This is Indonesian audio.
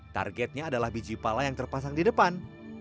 targetnya adalah biji pala yang terpasang di depan